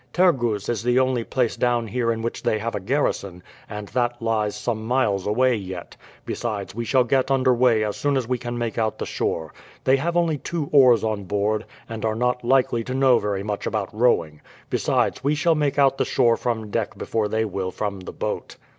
"Tergoes is the only place down here in which they have a garrison, and that lies some miles away yet. Besides, we shall get under way as soon as we can make out the shore. They have only two oars on board, and are not likely to know very much about rowing; besides, we shall make out the shore from deck before they will from the boat."